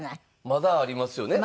まだありますよね。